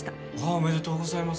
おめでとうございます。